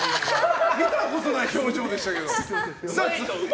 見たことない表情でしたけど。